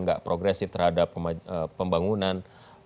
tidak progresif terhadap pembangunan